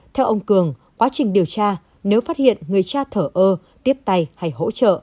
theo ông cường quá trình điều tra nếu phát hiện người cha thở ơ tiếp tay hay hỗ trợ